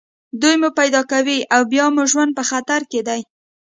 دوی مو پیدا کوي او بیا مو ژوند په خطر کې دی